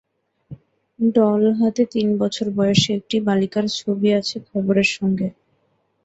Doll হাতে তিন বছর বয়সী একটি বালিকার ছবি আছে খবরের সঙ্গে।